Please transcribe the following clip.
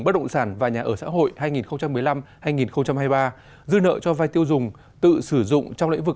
bất động sản và nhà ở xã hội hai nghìn một mươi năm hai nghìn hai mươi ba dư nợ cho vai tiêu dùng tự sử dụng trong lĩnh vực